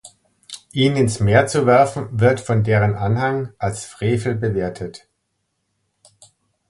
Ihn ins Meer zu werfen wird von deren Anhang als „Frevel“ bewertet.